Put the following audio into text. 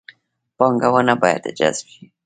پانګونه باید جذب شي